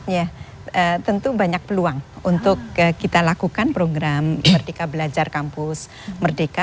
ya tentu banyak peluang untuk kita lakukan program merdeka belajar kampus merdeka